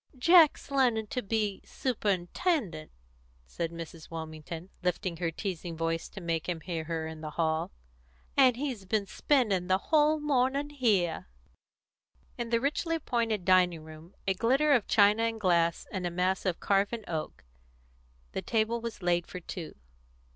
"Jack's learning to be superintendent," said Mrs. Wilmington, lifting her teasing voice to make him hear her in the hall, "and he's been spending the whole morning here." In the richly appointed dining room a glitter of china and glass and a mass of carven oak the table was laid for two.